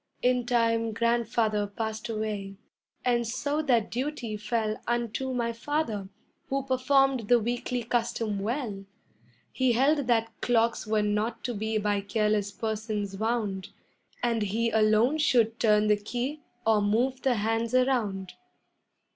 In time Grandfather passed away, and so that duty fell Unto my Father, who performed the weekly custom well; He held that clocks were not to be by careless persons wound, And he alone should turn the key or move the hands around.